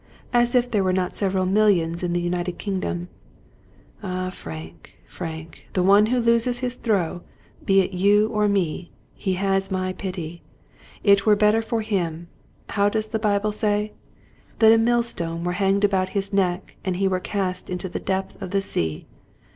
As if there were not several millions in the United Kingdom ! Ah, Frank, Frank, the one who loses his throw, be it you or me, he has my pity I It were better for him — how does the Bible say? — ^that a millstone were hanged about his neck and he were cast into the depth of the sea.